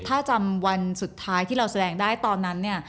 ถ้าจำวันสุดท้ายที่เราแสดงได้ตอนนั้นเนี่ย